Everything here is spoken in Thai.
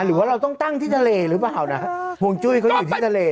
หรือว่าเราต้องตั้งที่ทะเลหรือเปล่านะห่วงจุ้ยเขาอยู่ที่ทะเล